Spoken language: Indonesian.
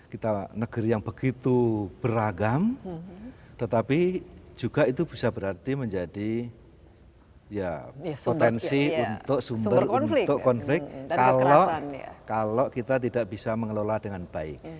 kita negeri yang begitu beragam tetapi juga itu bisa berarti menjadi potensi untuk sumber untuk konflik kalau kita tidak bisa mengelola dengan baik